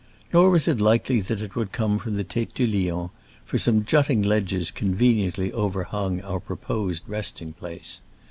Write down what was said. Nor was it likely that it would from the Tete du Lion, for some jutting ledges conveniently overhung our proposed resting place.